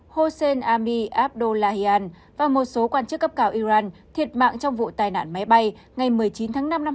hossein ami abdollahian và một số quan chức cấp cảo iran thiệt mạng trong vụ tài nạn máy bay ngày một mươi chín tháng năm năm hai nghìn hai mươi bốn